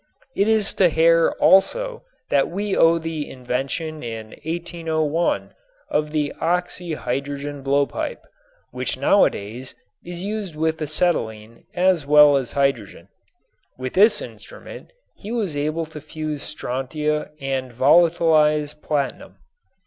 It is to Hare also that we owe the invention in 1801 of the oxy hydrogen blowpipe, which nowadays is used with acetylene as well as hydrogen. With this instrument he was able to fuse strontia and volatilize platinum.